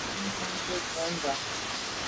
Nkeb ntôndà bwe mbà.